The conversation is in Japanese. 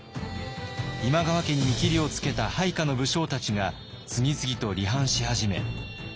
今川家に見切りをつけた配下の武将たちが次々と離反し始め